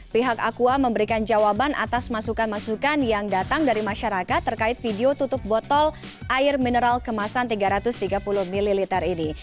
pihak aqua memberikan jawaban atas masukan masukan yang datang dari masyarakat terkait video tutup botol air mineral kemasan tiga ratus tiga puluh ml ini